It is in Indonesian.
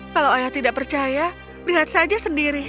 kalau ayah tidak percaya lihat saja sendiri